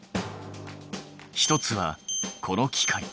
１つはこの機械。